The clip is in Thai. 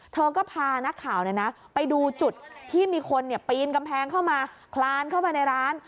เธอก็พานักข่าวไปดูจุดที่มีคนปีนกำแพงเข้ามาคลานเข้ามาในร้าน